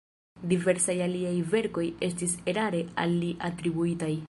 Diversaj aliaj verkoj estis erare al li atribuitaj.